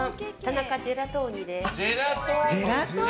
ジェラトーニです。